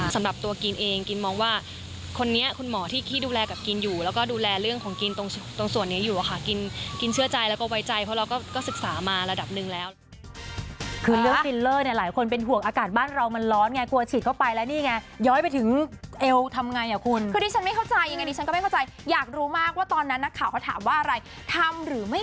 สำหรับตัวกินเองกินมองว่าคนนี้คุณหมอที่ดูแลกับกินอยู่แล้วก็ดูแลเรื่องของกินตรงส่วนนี้อยู่อ่ะค่ะกินเชื่อใจแล้วก็ไว้ใจเพราะเราก็ศึกษามาระดับนึงแล้วคือเรื่องฟิลเลอร์เนี่ยหลายคนเป็นหวกอากาศบ้านเรามันร้อนไงกลัวฉีดเข้าไปแล้วนี่ไงย้อยไปถึงเอวทำไงอ่ะคุณคือดิฉันไม่เข้าใจยังไงดิฉัน